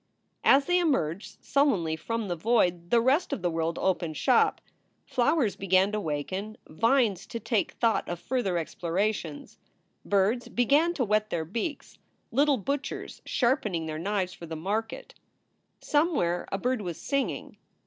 As they emerged sullenly from the void, the rest of the world opened shop. Flowers began to waken ; vines to take thought of further explorations; birds began to whet their beaks, little butchers sharpening their knives for the market. Somewhere a bird was singing.